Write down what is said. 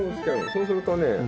そうするとね